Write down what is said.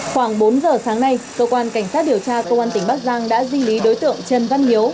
khoảng bốn giờ sáng nay cơ quan cảnh sát điều tra công an tỉnh bắc giang đã di lý đối tượng trần văn hiếu